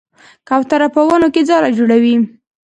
کوتره په ونو کې ځاله جوړوي.